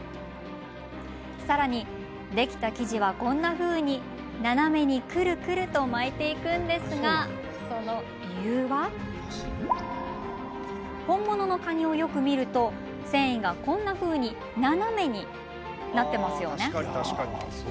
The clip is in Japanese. さらに、できた生地はこんなふうに斜めにくるくると巻いていくんですがその理由は本物のカニをよく見ると繊維がこんなふうに斜めになってますよね。